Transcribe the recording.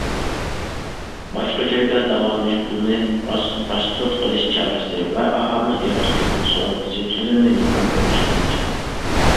باشقا جايدا داۋالىنىش پۇلىنى راسچوت قىلىش چارىسى ۋە ئاھالىنىڭ ئېغىر كېسەل سۇغۇرتىسى تۈزۈمىنى مۇكەممەللەشتۈرىمىز.